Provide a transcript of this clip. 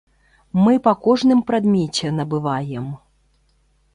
Мы па кожным прадмеце набываем.